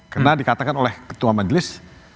karena dikatakan oleh ketua majelis